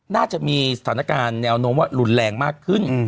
น่าจะมีสถานการณ์แนวโน้มว่ารุนแรงมากขึ้น